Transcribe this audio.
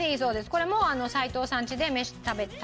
これも齋藤さんちで食べている。